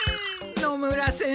野村先生。